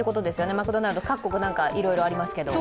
マクドナルド、各国いろいろありますけど。